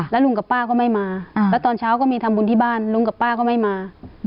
แล้วลุงกับป้าก็ไม่มาแล้วตอนเช้าก็มีทำบุญที่บ้านลุงกับป้าก็ไม่มา